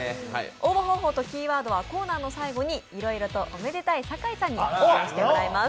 応募方法とキーワードはコーナーの最後にいろいろとおめでたい酒井さんに発表してもらいます。